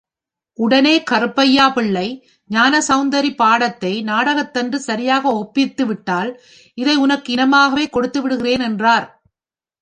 உடனே கருப்பையாபிள்ளை ஞானசெளந்தரி பாடத்தை நாடகத்தன்று சரியாக ஒப்பித்து விட்டால் இதை உனக்கு இனமாகவே கொடுத்து விடுகிறேன் என்றார்.